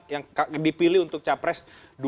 yang dipilih untuk capres dua ribu dua puluh empat